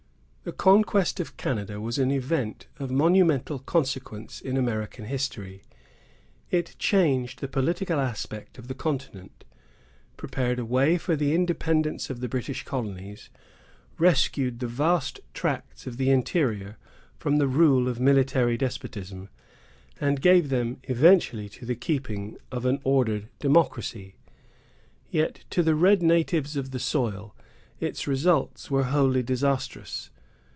The conquest of Canada was an event of momentous consequence in American history. It changed the political aspect of the continent, prepared a way for the independence of the British colonies, rescued the vast tracts of the interior from the rule of military despotism, and gave them, eventually, to the keeping of an ordered democracy. Yet to the red natives of the soil its results were wholly disastrous.